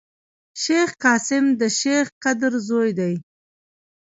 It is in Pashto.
شېخ قاسم دشېخ قدر زوی دﺉ.